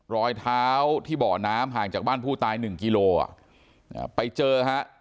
รอยเท้าที่บ่อน้ำห่างจากบ้านผู้ตาย๑กิโลเข้าไปเจออีกฮะ